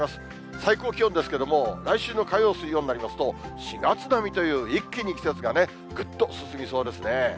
最高気温ですけれども、来週の火曜、水曜になりますと、４月並みという一気に季節がぐっと進みそうですね。